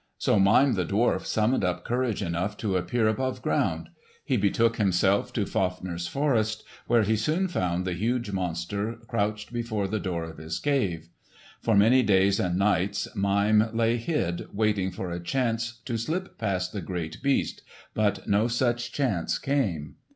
So Mime the dwarf summoned up courage enough to appear above ground. He betook himself to Fafner's forest, where he soon found the huge monster crouched before the door of his cave. For many days and nights Mime lay hid, waiting for a chance to slip past the great beast, but no such chance came.